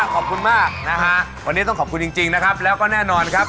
ขอบคุณมากวันนี้ต้องขอบคุณจริงแล้วก็แน่นอน